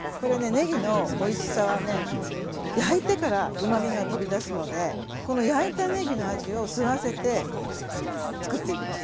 ねぎのおいしさはね焼いてからうまみが飛び出すのでこの焼いたねぎの味を吸わせてつくっていきます。